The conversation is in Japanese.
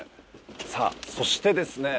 さぁそしてですね